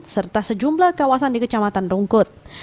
serta sejumlah kawasan di kecamatan rungkut